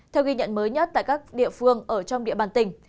theo ghi nhận mới nhất tại các địa phương ở trong địa bàn tỉnh